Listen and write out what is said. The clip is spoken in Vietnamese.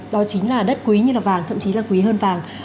đó chính là đất quý như là vàng thậm chí là quý hơn vàng